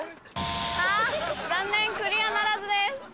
・あ残念クリアならずです。